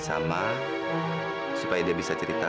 maaf pak saya harus kerja